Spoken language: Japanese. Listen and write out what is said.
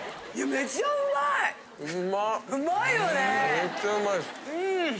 めっちゃうまいです。